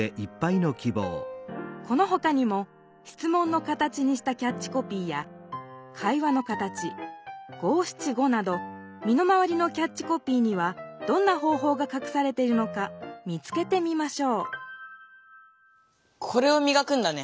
このほかにも「質問の形」にしたキャッチコピーや「会話の形」「五七五」などみの回りのキャッチコピーにはどんな方法がかくされているのか見つけてみましょうこれをみがくんだね。